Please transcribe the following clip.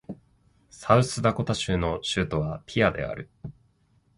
サウスダコタ州の州都はピアである